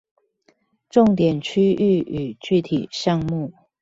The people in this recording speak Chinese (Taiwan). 重點區域與具體項目